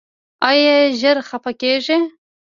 ایا ژر خفه کیږئ؟